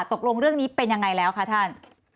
ตกลงเรื่องนี้เป็นยังไงแล้วคะท่าน